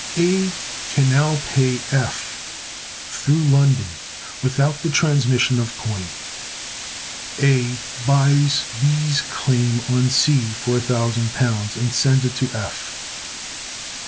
A can now pay F through London without the transmission of coin. A buys B's claim on C for £1,000, and sends it to F.